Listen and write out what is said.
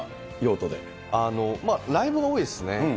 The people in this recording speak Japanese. ライブが多いですね。